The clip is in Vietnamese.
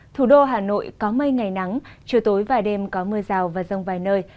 thủ đô hà nội có mây ngày nắng trưa tối vài đêm có mưa rào và rông vài nơi